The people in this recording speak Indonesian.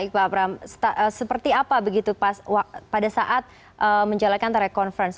baik pak abram seperti apa begitu pada saat menjalankan telekonferensi